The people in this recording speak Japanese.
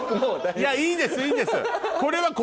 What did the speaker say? いやいいですいいです。